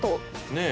ねえ。